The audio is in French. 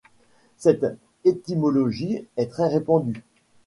Cette étymologie est très répandue.